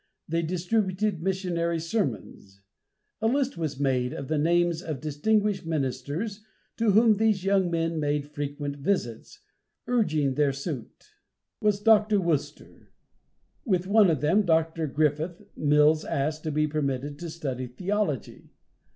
They distributed missionary sermons. A list was made of the names of distinguished ministers, to whom these young men made frequent visits, urging their suit. Among them, the first to take fire, was Dr. Worcester. With one of them, Dr. Griffin, Mills asked to be permitted to study theology.